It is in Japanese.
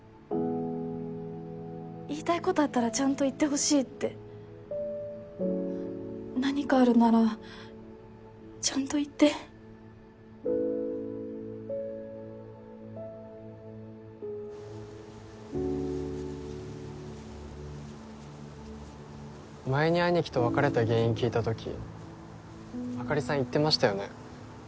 言いたいことあったらちゃんと言ってほしいって何かあるならちゃんと言って前に兄貴と別れた原因聞いたときあかりさん言ってましたよね？